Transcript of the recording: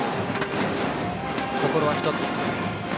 「心は一つ」。